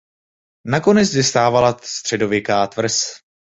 Nakonec zde stávala středověká tvrz.